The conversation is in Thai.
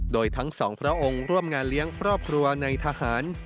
โดยทั้งสองพระองค์ร่วมงานเลี้ยงครอบครัวในทหาร